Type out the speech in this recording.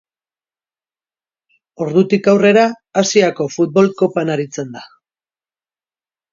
Ordutik aurrera Asiako Futbol Kopan aritzen da.